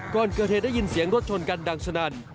ก่อนเกิดเหตุได้ยินเสียงรถชนกันดังสนั่น